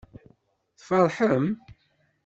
Tfeṛḥem?